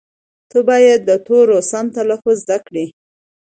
ته باید د تورو سم تلفظ زده کړې.